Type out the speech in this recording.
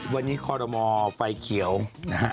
วันนี้คอรมอไฟเขียวนะฮะ